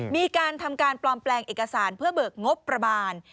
มีการทำการปลอมแปลงเอกสารเพื่อเบิกงบประมาณ